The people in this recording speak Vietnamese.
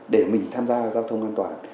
để mình tham gia giao thông an toàn